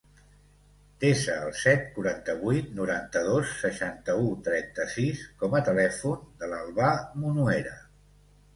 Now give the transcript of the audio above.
Desa el set, quaranta-vuit, noranta-dos, seixanta-u, trenta-sis com a telèfon de l'Albà Munuera.